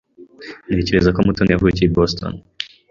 Ntekereza ko Mutoni yavukiye i Boston.